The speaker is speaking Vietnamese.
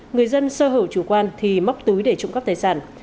người dân sơ hữu chủ quan thì móc túi để trộm các tài sản